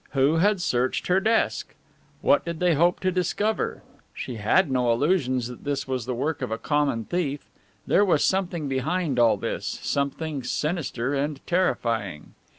Who had searched her desk? What did they hope to discover? She had no illusions that this was the work of a common thief. There was something behind all this, something sinister and terrifying.